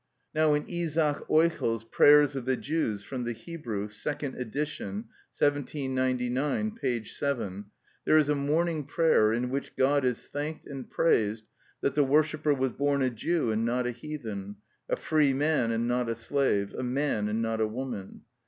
Now in Isaac Euchel's "Prayers of the Jews," from the Hebrew, second edition, 1799, p. 7, there is a morning prayer in which God is thanked and praised that the worshipper was born a Jew and not a heathen, a free man and not a slave, a man and not a woman.